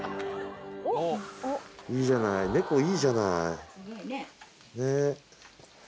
いいじゃない猫いいじゃない。